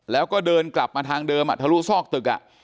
แล้วก็เดินกลับมาทางเดิมทะลุซอกตึก